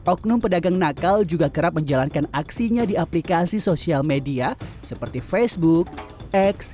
oknum pedagang nakal juga kerap menjalankan aksinya di aplikasi sosial media seperti facebook x instagram dan juga tiktok